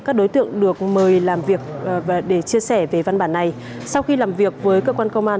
các đối tượng được mời làm việc để chia sẻ về văn bản này sau khi làm việc với cơ quan công an